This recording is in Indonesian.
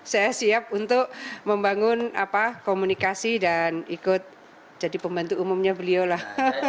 saya siap untuk membangun komunikasi dan ikut jadi pembantu umumnya beliau lah